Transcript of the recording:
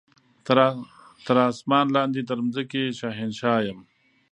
تر اسمان لاندي تر مځکي شهنشاه یم